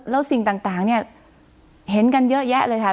แล้วสิ่งต่างเนี่ยเห็นกันเยอะแยะเลยค่ะ